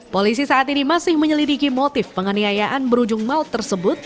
polisi saat ini masih menyelidiki motif penganiayaan berujung maut tersebut